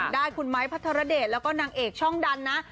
ได้คุณไม้พัทรเดชแล้วก็นางเอกช่องดันนะ